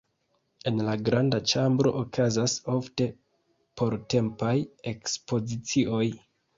En la granda ĉambro okazas ofte portempaj ekspozicioj.